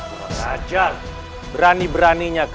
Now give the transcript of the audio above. apakah kota saya berulang dari kesib dominance